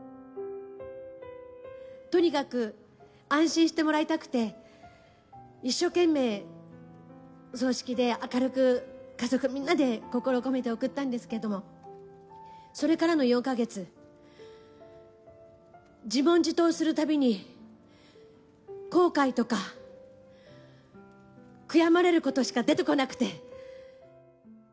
とにかく安心してもらいたくて、一生懸命お葬式で明るく、家族みんなで心を込めて送ったんですけれども、それからの４か月、自問自答するたびに、後悔とか、悔やまれることしか出てこなくて。